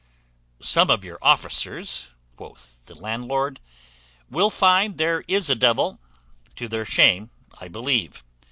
"Some of your officers," quoth the landlord, "will find there is a devil, to their shame, I believe.